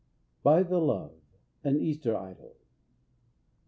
"BY THE LOVE." AN EASTER IDYLL.